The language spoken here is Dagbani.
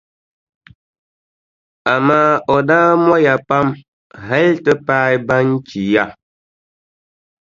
Amaa o daa mɔya pam hali ti paai Banchi ya.